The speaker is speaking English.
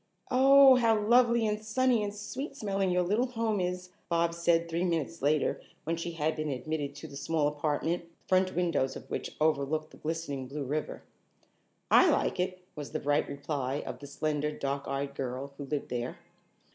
"Oh, how lovely and sunny and sweet smelling your little home is," Bobs said three minutes later when she had been admitted to the small apartment, the front windows of which overlooked the glistening blue river. "I like it," was the bright reply of the slender dark eyed girl who lived there.